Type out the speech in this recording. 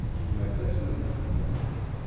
Yemma d taselmadt.